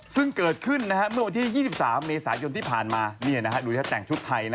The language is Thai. ซึ่งเกิดขึ้นเมื่อวันที่๒๓เมษายนที่ผ่านมาดูแต่งชุดไทย